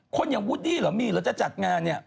คนอย่างวูดดี้เหรอมีหรือจะจัดงานเนี่ย